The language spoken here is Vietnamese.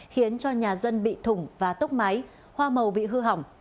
khiến cho nhà dân bị thủng và tốc máy hoa màu bị hư hỏng